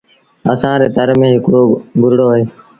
اَسآݩ ري تر ميݩ هڪڙو گرڙو اهي۔